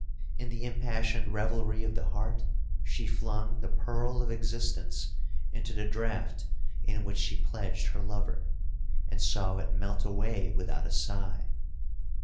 In the impassioned revelry of the heart, she flung the pearl of existence into the draught in which she pledged her lover, and saw it melt away without a sigh.